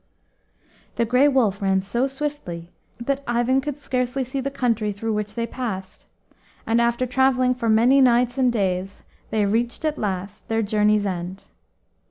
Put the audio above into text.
The Grey Wolf ran so swiftly that Ivan could scarcely see the country through which they passed, and after travelling for many nights and days, they reached, at last, their journey's end.